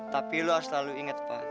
tapi lu harus selalu inget pa